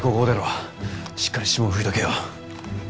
しっかり指紋拭いとけよ。